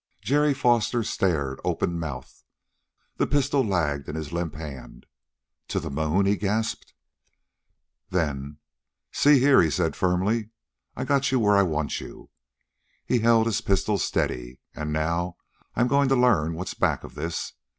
Jerry Foster stared, open mouthed. The pistol lagged in his limp hand. "To the moon!" he gasped. Then: "See here," he said firmly. "I've got you where I want you." he held the pistol steady "and now I'm going to learn what's back of this.